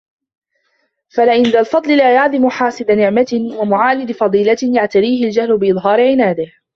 فَلِأَنَّ ذَا الْفَضْلِ لَا يَعْدَمُ حَاسِدَ نِعْمَةٍ وَمُعَانِدَ فَضِيلَةٍ يَعْتَرِيهِ الْجَهْلُ بِإِظْهَارِ عِنَادِهِ